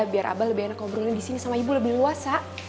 biar abah lebih enak ngobrolin di sini sama ibu lebih luas